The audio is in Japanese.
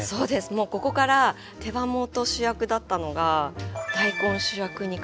もうここから手羽元主役だったのが大根主役にかわっていく瞬間ですね。